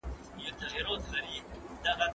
مسؤلیت منل بریا ته نږدې کوي.